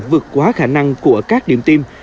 vượt quá khả năng của các điểm tiêm